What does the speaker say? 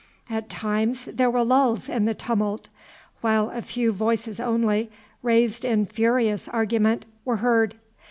At times there were lulls in the tumult, while a few voices only, raised in furious argument, were heard.